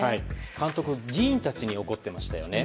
監督議員たちに怒っていましたよね。